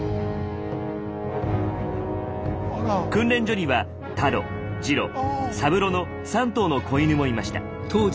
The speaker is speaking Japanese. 訓練所にはタロジロサブロの３頭の子犬もいました。